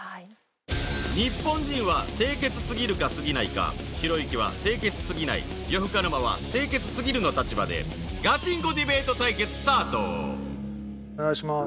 「日本人は清潔すぎるかすぎないか」ひろゆきは「清潔すぎない」呂布カルマは「清潔すぎる」の立場でガチンコディベート対決スタートお願いします。